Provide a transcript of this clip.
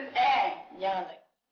eh jangan rey